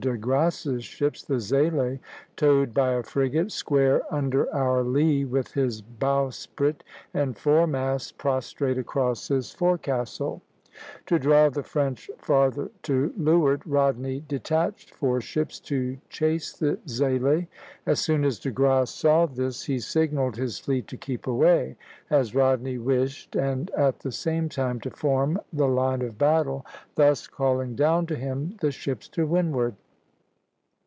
de Grasse's ships (the "Zélé") towed by a frigate, square under our lee (a), with his bowsprit and foremast prostrate across his forecastle." To draw the French farther to leeward, Rodney detached four ships (b) to chase the "Zélé." As soon as De Grasse saw this he signalled his fleet to keep away (c), as Rodney wished, and at the same time to form the line of battle, thus calling down to him the ships to windward.